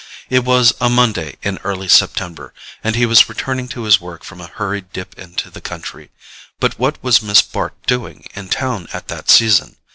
It was a Monday in early September, and he was returning to his work from a hurried dip into the country; but what was Miss Bart doing in town at that season?